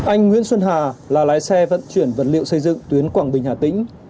anh nguyễn xuân hà là lái xe vận chuyển vật liệu xây dựng tuyến quảng bình hà tĩnh